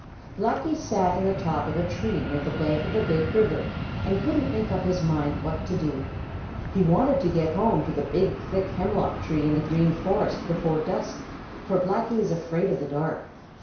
Blacky the Crow. Blacky sat in the top of a tree near the bank of the Big River and couldn't make up his mind what to do. He wanted to get home to the big, thick hemlock tree in the Green Forest before dusk, for Blacky is afraid of the dark.